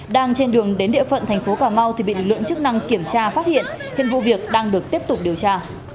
đang trên đường đến địa phận tp cà mau thì bị lực lượng chức năng kiểm tra phát hiện khiến vụ việc đang được tiếp tục điều tra